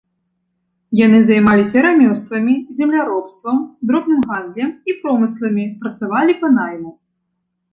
Яны займаліся рамёствамі, земляробствам, дробным гандлем і промысламі, працавалі па найму.